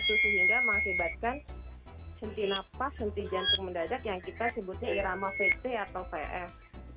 pasien itu sehingga mengakibatkan senti napas senti jantung mendadak yang kita sebutnya irama vete atau vf